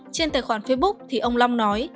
trên tài khoản facebook thì ông long nói